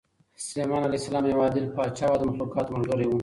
سلیمان علیه السلام یو عادل پاچا او د مخلوقاتو ملګری و.